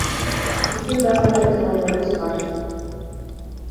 Биздин дагы айта тургандарыбыз бар.